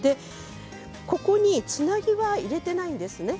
ここにつなぎは入れていないんですね。